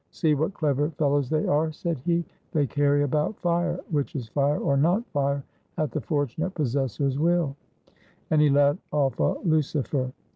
"See what clever fellows they are," said he, "they carry about fire, which is fire or not fire at the fortunate possessor's will;" and he let off a lucifer.